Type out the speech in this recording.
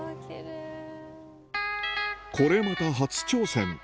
これまた初挑戦。